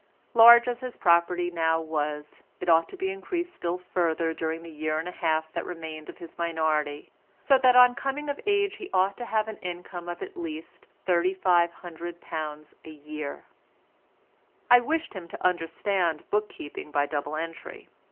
Large as his property now was, it ought to be increased still further during the year and a half that remained of his minority, so that on coming of age he ought to have an income of at least £3500 a year. I wished him to understand book keeping by double entry.